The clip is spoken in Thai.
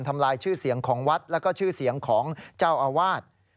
ทำลายชื่อเสียงของวัดแล้วก็ชื่อเสียงของเจ้าอาวาส